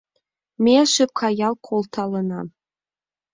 Меже каял колталына